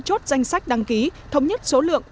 chốt danh sách đăng ký thống nhất số lượng